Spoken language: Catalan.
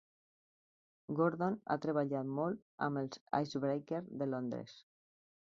Gordon ha treballat molt amb els Icebreaker de Londres.